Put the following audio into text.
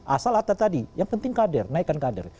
asal atas tadi yang penting kader naikkan kader